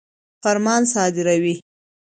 فرمان صادروي.